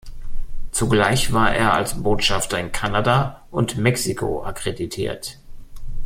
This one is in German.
Zugleich war er als Botschafter in Kanada und Mexiko akkreditiert.